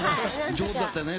上手だったね。